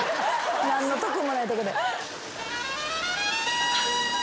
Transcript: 何の特もないとこで。